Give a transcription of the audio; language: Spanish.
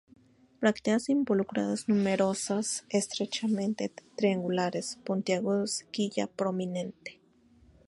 Brácteas involucrales numerosas, estrechamente triangulares puntiagudas, quilla prominente.